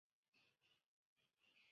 曾任国防大学战略研究所长。